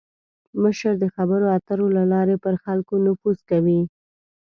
مشر د خبرو اترو له لارې پر خلکو نفوذ کوي.